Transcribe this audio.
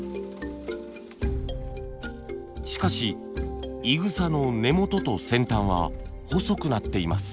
しかしいぐさの根元と先端は細くなっています。